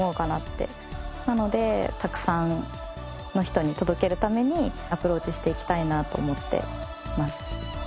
なのでたくさんの人に届けるためにアプローチしていきたいなと思ってます。